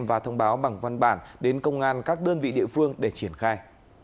và thông báo bằng văn bản đến công an các đơn vị địa phương để triển khai